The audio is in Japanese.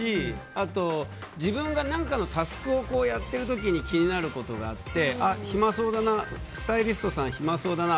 あと、自分が何かのタスクをやっている時気になることがあってあ、暇そうだなスタイリストさん暇そうだな